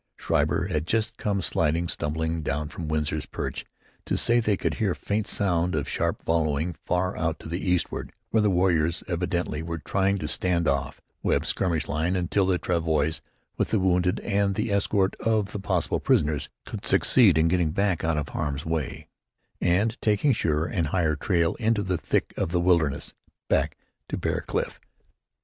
Schreiber had just come sliding, stumbling, down from Winsor's perch to say they could hear faint sound of sharp volleying far out to the eastward, where the warriors, evidently, were trying to "stand off" Webb's skirmish line until the travois with the wounded and the escort of the possible prisoners should succeed in getting back out of harm's way and taking surer and higher trail into the thick of the wilderness back of Bear Cliff.